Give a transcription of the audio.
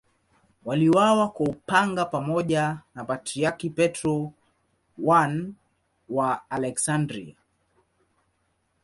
Waliuawa kwa upanga pamoja na Patriarki Petro I wa Aleksandria.